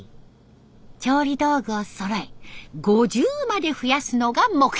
調理道具をそろえ５０まで増やすのが目標。